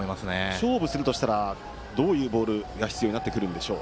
勝負するとしたらどういうボールが必要になってくるんでしょう。